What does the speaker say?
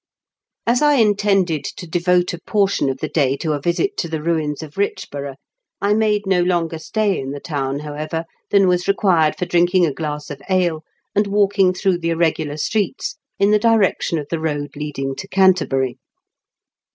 As I intended to devote a portion of the day to a visit to the ruins of Kichborough, I made no longer stay in the town, however, than was required for drinking a glass of ale and walking through the irregular streets in the direction of the road leading to Canterbury.